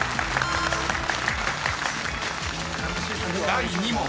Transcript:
［第２問］